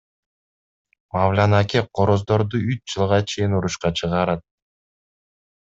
Мавлян аке короздорду үч жылга чейин урушка чыгарат.